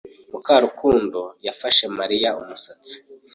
Mukarukundo yafashe Mariya umusatsi.